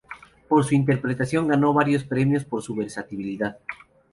Por su interpretación ganó varios premios por su versatilidad.